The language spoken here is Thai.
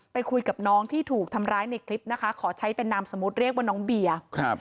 ไปคุยกับน้องที่ถูกทำร้ายในคลิปนะคะขอใช้เป็นนามสมมุติเรียกว่าน้องเบียร์ครับ